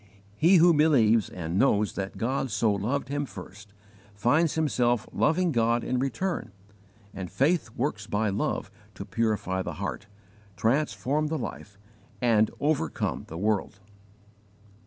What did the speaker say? He who believes and knows that God so loved him first, finds himself loving God in return, and faith works by love to purify the heart, transform the life, and overcome the world.